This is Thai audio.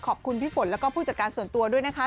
ขอบคุณพี่ฝนแล้วก็ผู้จัดการส่วนตัวด้วยนะคะ